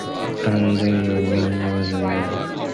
At trial and on appeal, the courts found in favour of Robertson.